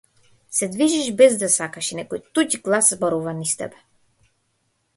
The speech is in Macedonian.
Се движиш без да сакаш и некој туѓ глас зборува низ тебе.